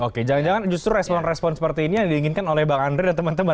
oke jangan jangan justru respon respon seperti ini yang diinginkan oleh bang andre dan teman teman